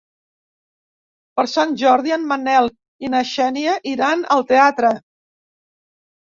Per Sant Jordi en Manel i na Xènia iran al teatre.